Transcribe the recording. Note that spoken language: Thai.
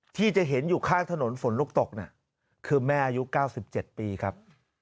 ที่จะเห็นอยู่ข้างถนนฝนลูกตกคือแม่อายุ๙๗ปีครับ